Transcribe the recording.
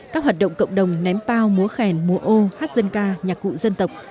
các hoạt động cộng đồng ném pao múa khen múa ô hát dân ca nhạc cụ dân tộc